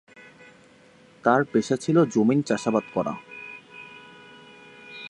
তার পেশা ছিল জমিন চাষাবাদ করা।